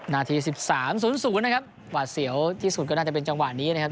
นาทีสิบสามศูนย์ศูนย์นะครับหวัดเสี่ยวที่สุดก็น่าจะเป็นจังหวะนี้นะครับ